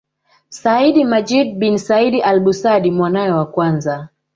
Sayyid Majid bin Said Al Busad mwanawe wa kwanza